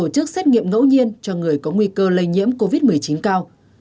đã giúp cho người có nguy cơ lây nhiễm covid một mươi chín cao